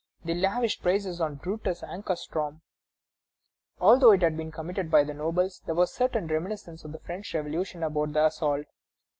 They lavished praises on "Brutus Ankarstroem." Although it had been committed by the nobles, there was a certain reminiscence of the French Revolution about the assault.